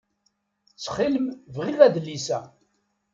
Ttxil-m bɣiɣ adlis-a.